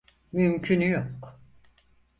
Mümkünü yok.